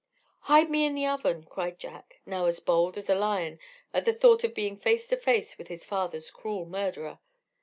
"Hide me in the oven," cried Jack, now as bold as a lion at the thought of being face to face with his father's cruel murderer.